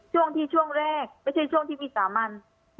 ช่วงที่ช่วงแรกไม่ใช่ช่วงที่วิสามัน